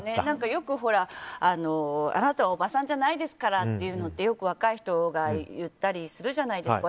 よく、あなたおばさんじゃないですからってよく若い人が言ったりするじゃないですか。